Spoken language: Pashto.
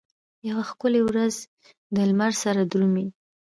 یوه ښکلې ورځ دلمره سره درومي